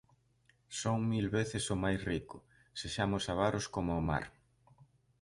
Son mil veces o máis rico, sexamos avaros coma o mar.